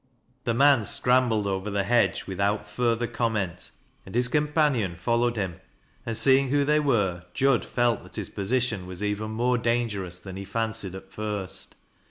The man scrambled over the hedge without further iSomment^ and his companion followed him ; and seeing who they were, Jud felt that his position was even mere dangerous than he fancied at first.